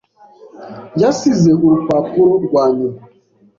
Yasize urupapuro rwanyuma.